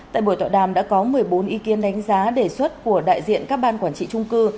tại buổi tọa đàm đã có một mươi bốn ý kiến đánh giá đề xuất của đại diện các ban quản trị trung cư